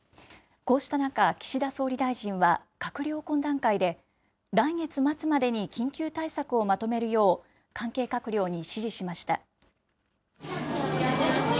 こうした中、岸田総理大臣は、閣僚懇談会で来月末までに緊急対策をまとめるよう、関係閣僚に指示しました。